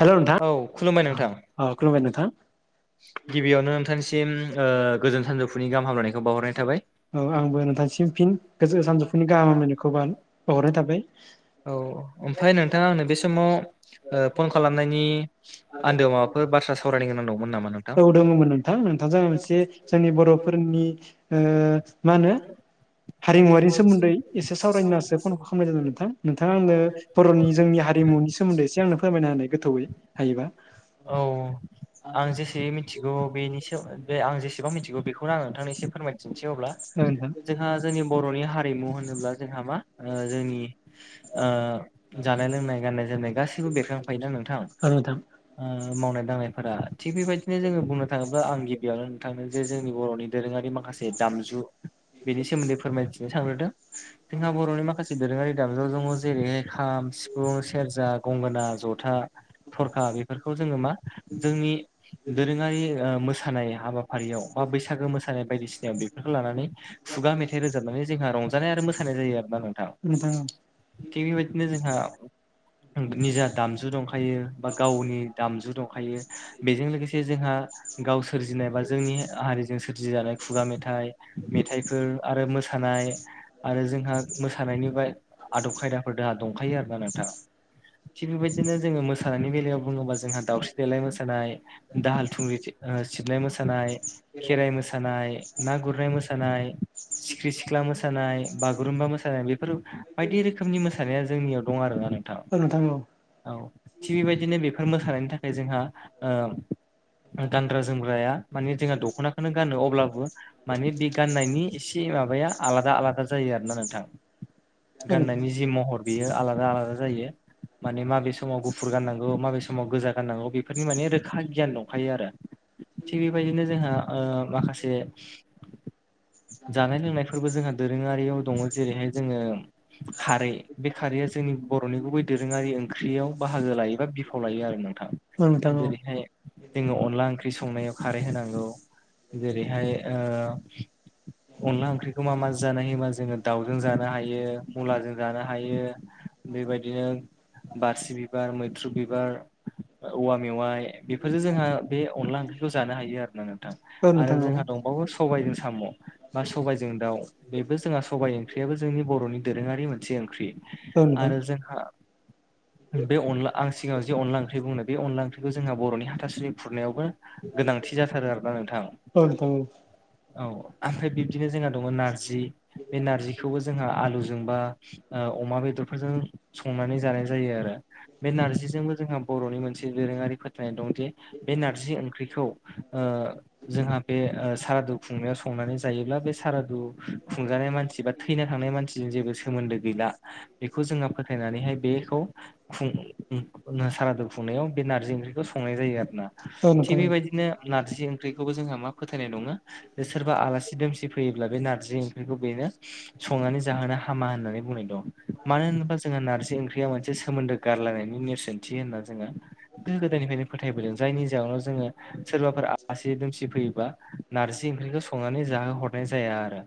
Hello नोंथां औ खुलुमबाय नोंथां अ खुलुमबाय नोंथां गिबियावनो नोंथांनिसिम ओ गोजोन सानजौफुनि गाहाम हामलायनायखौ बावहरनाय थाबाय औ आंबो नोंथांसिम फिन गोजोन सानजौफुनि गाहाम हामलायनायखौ बा बाउहरनाय थाबाय औ ओमफ्राय नोंथाङा आंनो बे समाव ओ फन खालामनायनि आन्दोआव माबाफोर बाथ्रा सावरायनायनि गोनां दं औ दङमोन नोंथां नोंथांजों आं मोनसे जोंनि बर'फोरनि ओ मा होनो हारिमुवारि सोमोन्दै एसे सावरायनो होननासो फन खालामनाय जादों नोंथां नोंथाङा आंनो बर'नि जोंनि हारिमुनि सोमोन्दै एसे आंनो फोरमायना होनाय गोथौयै हायोबा औ आं जेसे मिनथिगौ बेनि सायाव बे आं जेसेबां मिथिगौ बेखौनो आं नोंथांनिसिम फोरमायथिनिसै अब्ला औ नोंथां जोंहा जोंनि बर'नि हारिमु होनोब्ला जोंहा मा ओ जोंनि ओ जानाय लोंनाय गाननाय जोमनाय गासैबो बेरखांफायोना नोंथां औ नोंथां ओ मावनाय दांनायफोरा थिग बेबायदिनो जोङो बुंनो थाङोब्ला आं गिबियावनो नोंथांनो जे जोंनि बर'नि दोरोङारि माखासे जे दामजु बेनि सोमोन्दै फोरमायथिनो सानग्रोदों जोंहा बर'नि माखासे दोरोङारि दामजु दङ जेरैहाय खाम सिफुं सेरजा गंगोना जथा थरखा बे फोरखौ जोङो मा जोंनि दोरोङारि ओ मोसानाय हाबा फारियाव बा बैसागो मोसानाय बायदिसिनायाव बेफोरखो लानानै खुगा मेथाइ रोजाबनानै जोंहा रंजानाय आरो मोसानाय जायो आरोना नोंथां थिग बेबायदिनो जोंहा निजा दामजु दंखायो बा गावनि दामजु दंखायो बेजों लोगोसे जोंहा गाव सोरजिनाय बा जोंनि हारिजों सोरजिजानाय खुगा मेथाइ मेथाइफोर आरो मोसानाय आरो जोंहा मोसानायनि बा आदब खायदाफोर दोहा दंखायो आरोना नोंथां थिग बेबायदिनो जोङो मोसानायनि बेलायाव बुङोबा जोंहा दावस्रि देलाय मोसानाय दाहाल थुंग्रि सिबनाय मोसानाय खेराइ मोसानाय ना गुरनाय मोसानाय सिख्रि सिख्ला मोसानाय बागुरुम्बा मोसानाय बे बेफोर बायदि रोखोमनि मोसानाया जोंनियाव दं आरोना नोंथां औ नोंथां औ औ थिग बेबायदिनो बेफोर मोसानायनि थाखाय जोंहा गानग्रा जोमग्राया माने जोंहा दख'नाखौनो गानो अब्लाबो माने बे गाननायनि एसे माबाया आलादा आलादा जायो आरोना नोंथां औ नोंथां गाननायनि जि महर बेयो आलादा आलादा जायो मान मे समाव गुफुर गाननांगौ माबे समाव गोजा गाननांगौ बेफोरनि माने रोखा गियान दंखायो आरो थिग बेबायदिनो जोंहा ओ माखासे जानाय लोंनायफोरबो जोंहा दोरोङारियाव दङ जेरैहाय जोङो खारै बे खारैया जोंनि बर'नि गुबै दोरोङारि ओंख्रियाव बाहागो लायोबा बिफाव लायो आरो नोंथां औ नोंथां औ जेरैहाय जोङो अनला ओंख्रि संनायाव खारै होनांगौ जेरैहाय ओ अनला ओंख्रिखौ मा मा जा जानाय होनबा जोङो दाउजों जानो हायो मुलाजों जानो हायो बेबायदिनो बारसि बिबार मैथ्रु बिबार औवा मेवाइ बेफोरजों जोंहा बे अनला ओंख्रिखौ जानो हायो आरोना नोंथां औ नोंथां आरो औ जोंहा दंबावो सबायजों साम' बा सबायजों दाउ बेबो जोंहा सबाय ओंख्रियाबो जोंनि बर'नि दोरोङारि मोनसे ओंख्रि औ नोंथां आरो जोंहा बे अनला आं सिगाङाव जि अनला ओंख्रि बुंनो बे अनला ओंख्रिखौ जोंहा बर'नि हाथासुनि खुरनायावबो गोनांथि जाथारो आरोना नोंथां औ ओमफ्राय बिब्दिनो जोंहा दङ नारजि जि बे नारजिखौबो जोंहा आलुजोंबा अमा बेदरफोरजों संनानै जानाय जायो आरो बे नारजि जोंहा बर'नि मोनसे दोरोङारि फोथायनाय दं जे बे नारजि ओंख्रिखौ ओ जोंहा बे सारादु खुंनायाव संनानै जायोब्ला बे सारादु खुंजानाय मान बा थैना थांनाय मानसिजों जेबो सोमोन्दो गैला बेखौ जोंङो फोथायनानैहाय बेखौ खुं सारादु खुंनायाव बे नारजि ओंख्रिखौ संनाय जायो आरोना औ नोंथां औ थिग नोंथां औ बेबायदिनो नारजि ओंख्रिखौबो जोंहा मा फोथायनाय दंना बे सोरबा आलासि दुमसि फैयोब्ला बे नारजि ओंख्रिखौ बेनो संनानै जाहोनो हामा होननानै बुंनाय दं मानो होनोबा जोहा नारजि ओंख्रिया मोनसे सोमोन्दो गारलायनायनि नेरसोनथि होनना जोङो गोदो गोदायनिफ्रायनो फोथायबोदों जायनि जाहोनाव जोङो सोरबाफोर आसि दुमसि फैयोबा नारजि ओंख्रिखौ संनानै जाहो हरनाय जाया आरो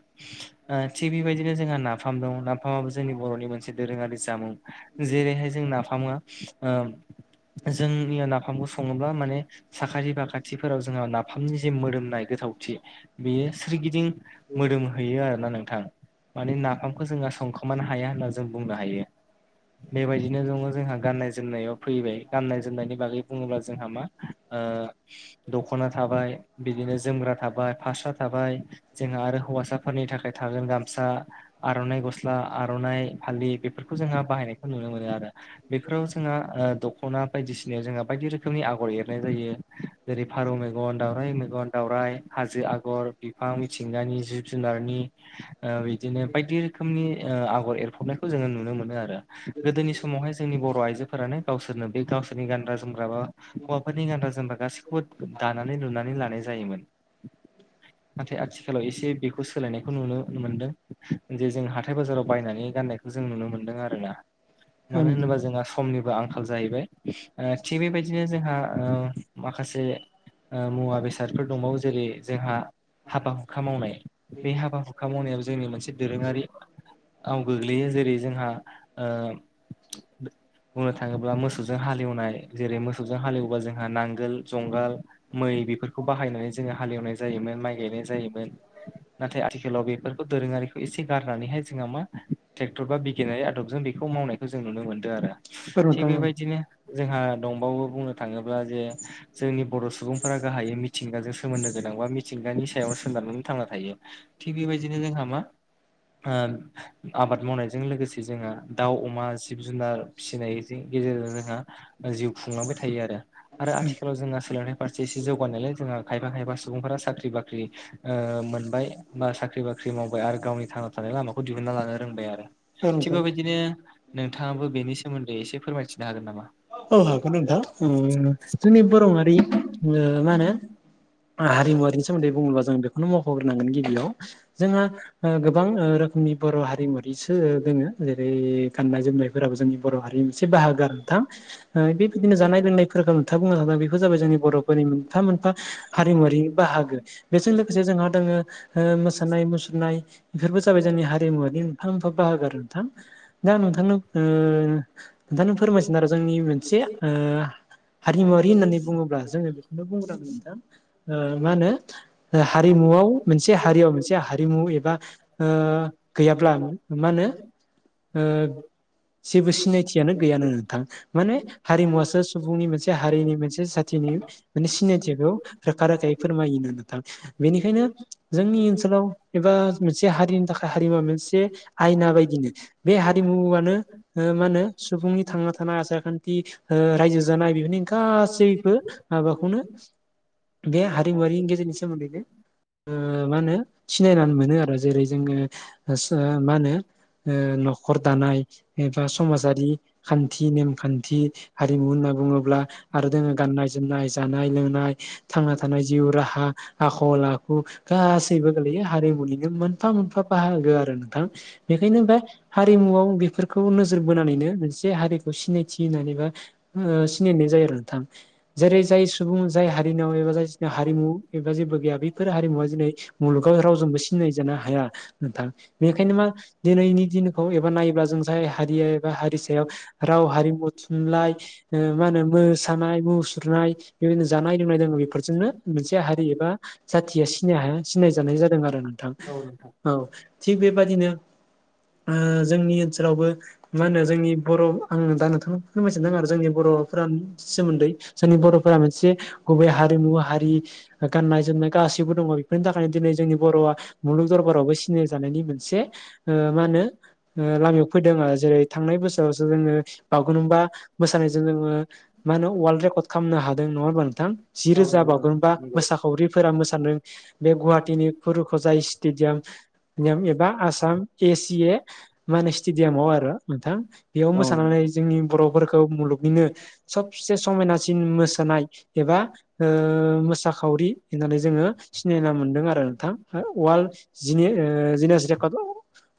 थिग बेबायदिनो जोंहा नाफाम दं नाफामाबो जोंनि बर'नि मोनसे दोरोङारि जामुं जेरैहाय जों नाफामा ओ जोंनिया नाफामखौ सङोब्ला माने साखाथि बाखाथिफोराव जोंहा नाफामनि जे मोदोमनाय गोथावथि बेयो सोरगिदिं मोदोमो हैयो आरोना नोंथां माने नाफामखौ जोङा संखोमानो हाया होनना जों बुंनो हायो। बेबायदिनो दङ जोंहा गाननाय जोमनायाव फैबाय गाननाय जोमनायनि बागै बुङोब्ला जोंहा मा ओ दखना थाबाय बिदिनो जोमग्रा थाबाय फास्रा थाबाय जोङा आरो हौवासाफोरनि थाखाय थागोन गामसा आर'नाइ गस्ला आर'नाइ फालि बेफोरखो जोंहा बाहायनायखौ नुनो मोनो आरो बेफोराव जोङा ओ दखना बायदिसिनायाव जोङा बायदि रोखोमनि आगर एरनाय लायो जेरै फारौ मेगन, दावउराइ मेगन, दावउराइ, हाजो आगर, बिफां मिथिंगानि जिब-जुनारनि ओ बिदिनो बायदि रोखोमनि ओ आगर एरफबनायखौ जोङो नुनो मोनो आरो। गोदोनि समावहाय जोंनि बर' आइजो फोरानो गावसोरनो बे गावसोरनि गानग्रा जोमग्रा बा हौवाफोरनि गानग्रा जोमग्रा गासिखौ बो दानानै-लुनानै लानाय जायोमोन। नाथाय आथिखालाव इसे बेखौ सोलायनायखौ नुनो मोनदों। जे जों हाथाय-बाजाराव बायनानै गाननायखौ जों नुनो मोनदों आरोना मानो होनोबा जोङा समनिबो आंखाल जाहैबाय ओ थिग बेबायदिनो जोंहा ओ माखासे ओ मुवा-बेसादफोर दंबावो जेरै जोंहा हाबा-हुखा मावनाय बे हाबा-हुखा मावनायाबो जोंनि मोनसे दोरोङारि आव गोग्लैयो जेरै जोंहा ओ बुंनो थाङोब्ला मोसौजों हाल एवनाय जेरै मोसौजों हाल एवोबा जोंहा नांगोल जंगाल मै बेफोरखौ बाहायनानै जोङो हाल एवनाय जायोमोन, माइ गायनाय जायोमोन। [inaudible] नाथाय आथिखालाव बेफोरखौ दोरोङारिखौ इसे गारनानैहाय जोंहा मा ट्रेक्टर बा बिगियानारि आदबजों बेखौ मावनाय खौ जों नुनो मोनदो आरो थिग नोंथां बेबायदिनो जोंहा दंबावो बुंनो थाङोब्ला जे जोंनि बर' सुबुंफोरा गाहायै मिथिंगाजों सोमोन्दो गोनां बा मिथिंगानि सायाव सोनारनानै थांना थायो। थिग बेबायदिनो जोंहा मा ओ आबाद मावनायजों लोगोसे जोङो दाउ-अमा, जिब-जुनार फिसिनायजों गेजेरजों जोंहा जिउ खुंलांबाय थायो आरो। आरो औ आथिखालाव जोङा सोलोंथाइ फारसे एसे जौगानायलाय जोङा खायफा खायफा सुबुंफोरा साख्रि बाख्रि ओ मोनबाय बा साख्रि बाख्रि मावबाय आरो गावनि थांना थानाय लामाखौ दिहुनना लानो रोंबाय आरो। औ थिग नोंथां बेबायदिनो नोंथाङाबो बेनि सोमोन्दै एसे फोरमायथिनो हागोन नामा? औ हागौ नोंथां ओं जोंनि बर'आरि ओ मा होनो? आं हारिमुवारिनि सोमोन्दै बुङोब्ला जों बेखौनो मख'ग्रोनांगोन गिबियाव जोङा ओ गोबां ओ रोखोमनि बर' हारिमुवारिसो दोङो जे रै गाननाय-जोमनायफोराबो जोंनि बर' हारिनिसो बाहागो आरो नोंथां। ओ बेबिदिनो जानाय-लोंनायफोरखो नोंथाङा बुंलांखाबाय बेफोर जाबाय जोंनि बर'फोरनि मोनफा मोनफा हारिमुवारि बाहागो बेजों लोगोसे जोंहा दोङो ओ मोसानाय-मुसुरनाय बेफोरबो जाबाय जोंनि हारिमुवारि मोनफा मोनफा बाहागो आरो नोंथां। दा नोंथांनो ओ नोंथांनो फोरमाय [unintelligible] जोंनि मोनसे ओ हारिमुवारि होननानै बुङोब्ला जोङो बेखौनो बुंग्रोनांगोन नोंथां। ओ मा होनो ओ हारिमुआव मोनसे हारियाव मोनसे हारिमु एबा ओ गैयाब्ला मा होनो ओ जेबो सिनायथियानो गैया नोङो नोंथां माने हारिमुवासो सुबुंनि मोनसे हारिनि मोनसे जाथिनि माने सिनायथिखौ रोखा रोखायै फोरमायोनो नोंथां बेनिखायनो जोंनि ओनसोलाव एबा मोनसे हारिनि थाखाय हारिमुवा मोनसे आयना बायदिनो बे हारिमुवानो ओ मा होनो सुबुंनि थांना थानाय आसार खान्थि ओ रायजो जानाय बेफोरनि गासैबो माबाखौनो बे हारिमुवारि गेजेरनि सोमोन्दैनो ओ मा होनो सिनायनानै मोनो आरो जेरै जोङो ओ सो मा होनो? ओ नखर दानाय एबा समाजारि खान्थि नेमखान्थि हारिमु होनना बुङोब्ला आरो दोङो गाननाय-जोमनाय जानाय-लोंनाय थांना थानाय जिउ राहा आखल आखु गासैबो गोलैयो हारिमुनिनो मोनफा मोनफा बाहागो आरो नोंथां बेखायनो बे हारिमुवाव बेफोरखौ नोजोर बोनानैनो जे हारिखौ सिनायथि होननानै बा ओ सिनायनाय जायो आरो नोंथां जेरै जाय सुबुं जाय हारिनाव एबा जायखिना हारिमु एबा जेबो गैया बेफोर हारिमुवा दिनै मुलुगाव रावजोंबो सिनायजानो हाया नोंथां बेनिखायनो मा दिनैनि दिनखौ एबा नायोब्ला जों जाय हारिया एबा हारिसायाव राव हारिमु थुनलाइ ओ मा होनो मोसानाय मुसुरनाय बेबायदिनो जानाय लोंनाय दोङो बेफोरजोंनो मोनसे हारि एबा जाथिया सिनाय हा सिनायजानाय जादों आरो नोंथां औ नोंथां औ थिग बेबादिनो ओ जोंनि ओनसोलावबो मा होनो जोंनि बर' आङो दा नोंथांनो फोरमायजोबगोन आरो जोंनि बर'फोर सोमोन्दै जोंनि बर'फोरा मोनसे गुबै हारिमु हारि गाननाय जोमनाय गासैवावबो दङ बेफोरनि थाखायनो दिनै जोंनि बर'आ मुलुग दरबारावबो सिनायजानायनि मोनसे ओ मा होनो ओ लामायाव फैदों आरो जेरै थांनाय बोसोरावसो जोङो बागुरुम्बा मोसानायजों जोङो मा होनो वाल्ड रेकड खालामनो हादों नङा होनबा नोंथां जि औ रोजा नंगौ बा गुरुमबा नोंथां नंगौ मोसाखावरिफोरा मोसादों बे गुहाटिनि हुरुहजाय स्टेडियाम नेम एबा आसाम ए सि ए माने स्टेडियामाव आरो नोंथां बेयाव औ नंगौ मोसानानै जोंनि बर'फोरखौ मुलुगनिनो सबसे समायनासिन मोसानाय एबा मोसाखावरि होननानै जोङो सिनायना मोनदों आरो नोंथां वाल जि जिनिनास रेकर्ड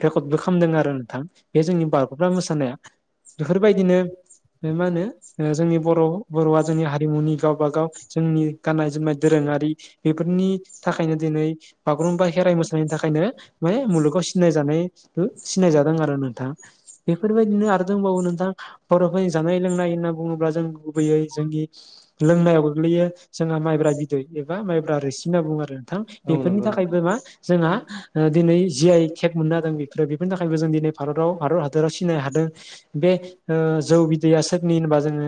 रेकडबो खालामदों आरो नोंथां बे जोंनि बागुरुम्बा मोसानाया बेफोरबायदिनो मा होनो ओ जोंनि बर' बर'आ जोंनि हारिमुनि गावबा गाव जोंनि गाननाय जोमनाय दोरोङारि बेफोरनि थाखायनो दिनै बागुरुम्बा खेराइ मोसानायनि थाखायनो माने मुलुगाव सिनायजानाय सिनायजादों आरो नोंथां बेफोरबायदिनो बावो नोंथां बर'फोरनि जानाय लोंनाय होनना बुङोब्ला जों गुबैयै जोंनि लोंनायाव गोग्लैयो जोंहा माइब्रा बिदै एबा माइब्रा रोसि होनना बुङो आरो नोंथां बेफोरनि थाखायबो मा जोंहा ओ दिनै जि आइ तेक मोननो हादों बेफोरो बेफोरनि थाखायबो जों दिनै भारताव भारत हादरा सिनाय हादों बे ओ जौ बिदैया सोरनि होनबा जोङो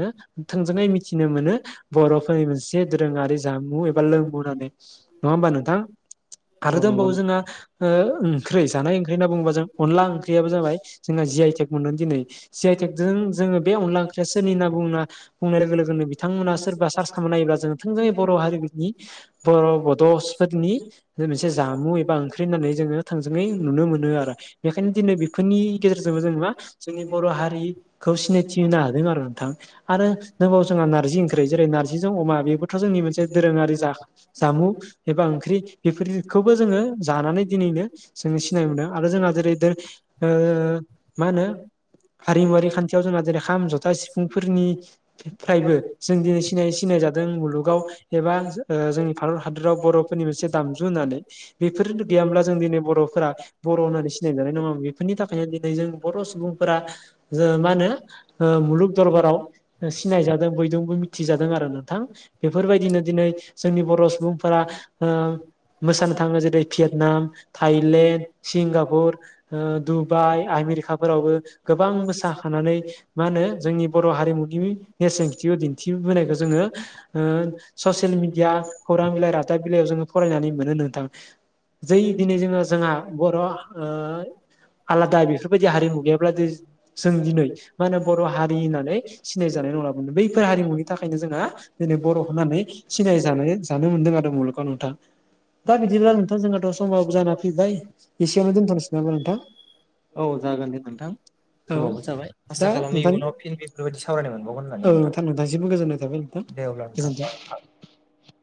थोंजोङै मिथिनो मोनो बर'फोरनि मोनसे दोरोङारि जामु एबा लोंमु होननानै नङा होमबा नोंथां आरो दोंबावो जोंना ओ ओंख्रि जानाय ओंख्रि होनना बुङोबा जों अनला ओंख्रियाबो जाबाय जोंहा जि आइ टेक मोनदों दिनै सि आइ टेक जों जोङो बे अनला ओंख्रिया सोरनि होनना बुंना बुंनाय लोगो लोगोनो बिथांमोना सोरबा सार्च खालामना नायोबा जों थोंजोङै बर' हारिनि बर' बड'सफोरनि मोनसे जामु एबा ओंख्रि होननानै जोङो थोंजोङै नुनो मोनो आरो बेखायनो दिनै बेफोरनि गेजेरजोंबो जोङो मा जोंनि बर' हारिखौ सिनायथि होनो हादों आरो नोंथां आरो दोंबाव जोंहा नारजि ओंख्रि जेरै नारजिजों अमा बेबोथ' जोंनि मोनसे दोरोङारि जा जामु एबा ओंख्रि बेफोरखौबो जोङो जानानै दिनैनो जों सिनाय मोनदों आरो जोंहा जेरै ओ मा होनो हारिमुवारि खान्थियाव जोंना जेरै खाम जथा सिफुंफोरनिफ्रायबो जों दिनै सिनाय सिनायजादों मुलुगाव एबा ओ जोंनि भारत हादराव बर'फोरनि मोनसे दामजु होननानै बेफोर गैयामोनब्ला जों दिनै बर'फोरा बर' होननानै सिनायजानाय नङा बेफोरनि थाखायनो दिनै जों बड' सुबुंफोरा ओ मा होनो ओ मुलुग दरबाराव सिनायजादों बयजोंबो मिथिजादों आरो नोंथां बेफोरबायदिनो दिनै जोंनि बर' सुबुंफोरा ओ मोसानो थाङो जेरै भियेतनाम थाइलेण्ड सिंगापुर ओ दुबाइ आमेरिकाफोरावबो गोबां मोसाखानानै मा होनो जोंनि बर' हारिमुनि नेरसोन थिखौ दिन्थिबोनायखौ जोङो ओ ससियेल मिडिया खौरां बिलाइ रादाब बिलायाव जोङो फरायनानै मोनो नोंथां जै दिनै जोङो जोंहा बर' ओ आलादा बेफोरबायदि हारिमु गैयाब्ला जों दिनै मा होनो बर' हारि होननानै सिनाय जानाय नंला मोननो बै फोर हारिमुनि थाखायनो जोंहा दिनै बर' होननानै सिनायजानो जानो मोनदों आरो मुलुगाव नोंथां दा बिदिब्ला नोंथां जोंहाथ' समाव जाना फैबाय एसेयावनो दोनथ'नोसै नामा नोंथां? औ जागोन दे नोंथां। औ खोमावबो जाबाय आसा दा खालामो नोंथां इयुनाव फिन बेफोरबायदि सावरायनो मोनबावगोन होननानै नोंथां। दे अब्ला नोंथां गोजोनथों।